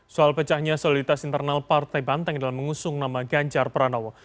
soal pecahnya soliditas internal partai banteng dalam mengusung nama ganjar pranowo